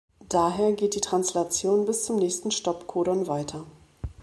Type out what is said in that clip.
Daher geht die Translation bis zum nächsten Stopcodon weiter.